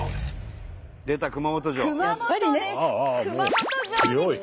熊本です。